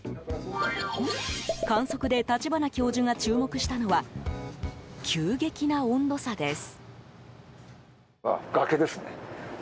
観測で立花教授が注目したのは急激な温度差です。